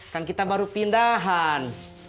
kan kita baru pindahan